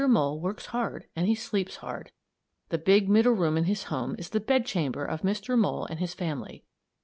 Mole works hard and he sleeps hard. The big middle room in his home is the bedchamber of Mr. Mole and his family.